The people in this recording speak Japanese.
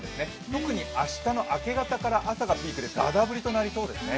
特に明日の明け方から朝がピークでざーざー降りとなりそうですね。